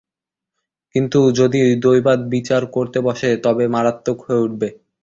কিন্তু যদি দৈবাৎ বিচার করতে বসে তবে মারত্মক হয়ে ওঠে।